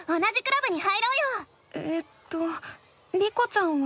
えっとリコちゃんは？